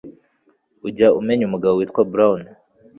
Ujya umenya umugabo witwa Brown?